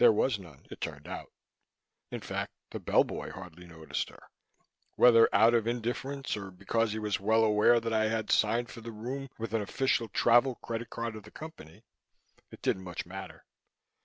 There was none, it turned out. In fact, the bellboy hardly noticed her whether out of indifference or because he was well aware that I had signed for the room with an official travel credit card of the Company, it didn't much matter.